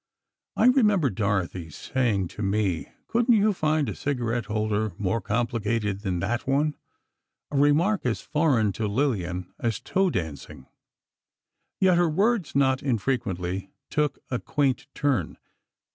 I remember Dorothy saying to me: "Couldn't you find a cigarette holder more complicated than that one?" A remark as foreign to Lillian as toe dancing. Yet her words not infrequently took a quaint turn.